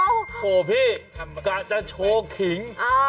โอ้โหพี่กะจะโชว์ขิง